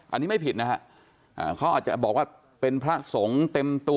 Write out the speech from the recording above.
อันนี้ไม่ผิดนะฮะเขาอาจจะบอกว่าเป็นพระสงฆ์เต็มตัว